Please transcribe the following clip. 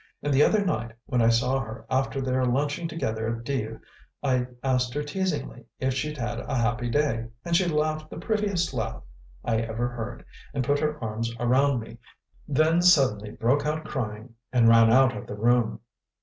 And the other night, when I saw her after their lunching together at Dives, I asked her teasingly if she'd had a happy day, and she laughed the prettiest laugh I ever heard and put her arms around me then suddenly broke out crying and ran out of the room."